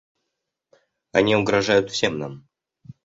Они угрожают всем нам.